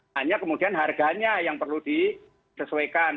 hanya kemudian harganya yang perlu disesuaikan